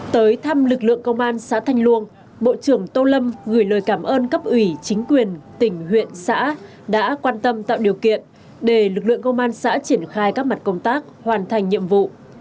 tới thăm lực lượng công an xã thanh luông bộ trưởng tô lâm gửi lời cảm ơn cấp ủy chính quyền tỉnh huyện xã đã quan tâm tạo điều kiện để lực lượng công an xã triển khai các mặt công tác hoàn thành nhiệm vụ